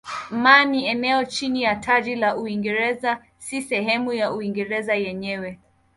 Man ni eneo chini ya taji la Uingereza si sehemu ya Uingereza yenyewe.